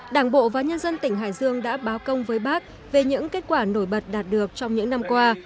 đảng bộ và nhân dân tỉnh hải dương đã báo công với bác về những kết quả nổi bật đạt được trong những năm qua